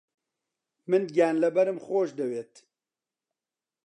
من گیانلەبەرم خۆش دەوێت.